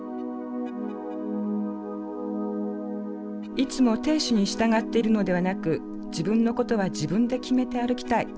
いつも亭主に従っているのではなく自分のことは自分で決めて歩きたい。